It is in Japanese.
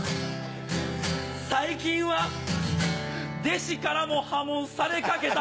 最近は弟子からも破門されかけた